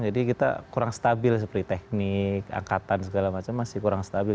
jadi kita kurang stabil seperti teknik angkatan segala macam masih kurang stabil